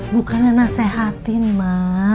bukannya nasehatin ma